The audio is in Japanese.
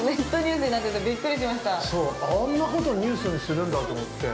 ◆そう、あんなことニュースにするんだと思って。